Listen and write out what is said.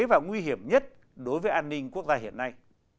và nguy hiểm nhất đối với an ninh quốc gia hiện nay